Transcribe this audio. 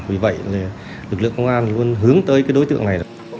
vì vậy lực lượng công an luôn hướng tới đối tượng này